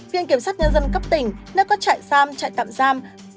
viện kiểm sát nhân dân cấp tỉnh nơi có chạy xam chạy tạm xam